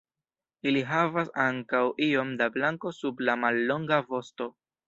Ili havas ankaŭ iom da blanko sub la mallonga vosto.